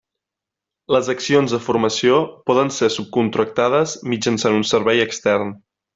Les accions de formació poden ser subcontractades mitjançant un servei extern.